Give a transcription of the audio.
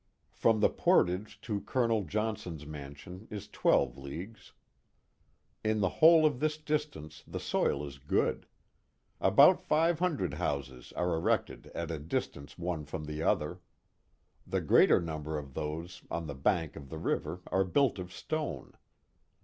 From the portage to Colonel Johnson's mansion is twelve leagues. In the whole of this distance the soil is good. About five hundred houses are erected at a distance one from the other. The greater number of those on the bank of the river are built of stone.